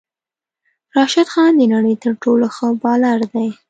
راشد خان د نړی تر ټولو ښه بالر دی